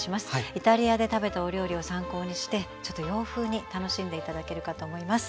イタリアで食べたお料理を参考にしてちょっと洋風に楽しんで頂けるかと思います。